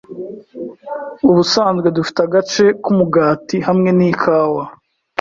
Ubusanzwe dufite agace k'umugati hamwe n'ikawa.